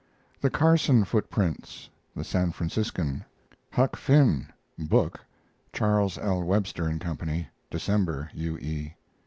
THE CARSON FOOTPRINTS the San Franciscan. HUCK FINN book (Charles L. Webster & Co.), December. U. E.